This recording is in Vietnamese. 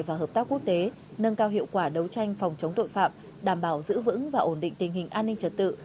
và hợp tác quốc tế nâng cao hiệu quả đấu tranh phòng chống tội phạm đảm bảo giữ vững và ổn định tình hình an ninh trật tự